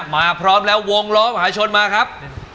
พร้อมแล้ววงล้อมหาชนมาครับ